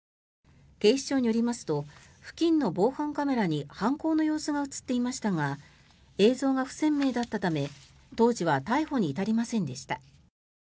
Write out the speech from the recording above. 警視庁によりますと付近の防犯カメラに犯行の様子が映っていましたが映像が不鮮明だったため当時は逮捕に至りませんでした。